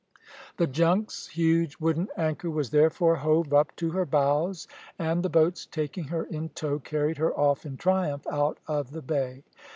The junk's huge wooden anchor was therefore hove up to her bows, and the boats, taking her in tow, carried her off in triumph out of the bay.